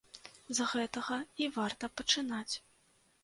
З гэтага і варта пачынаць.